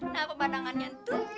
nah pemandangannya tuh